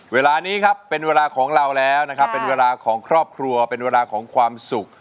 เวลานี้ครับเป็นเวลาของเราแล้วนะครับเป็นเวลาของครอบครัวเป็นเวลาของความสุข